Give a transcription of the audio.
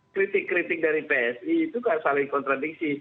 kritik kritik dari psi itu kan saling kontradiksi